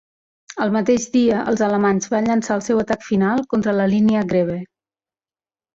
El mateix dia, els alemanys van llançar el seu atac final contra la línia Grebbe.